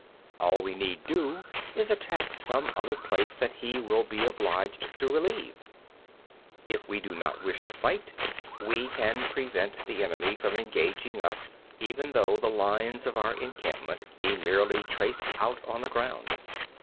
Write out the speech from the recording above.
All we need do is attack some other place that he will be obliged to relieve. 12. If we do not wish to fight, we can prevent the enemy from engaging us even though the lines of our encampment be merely traced out on the ground.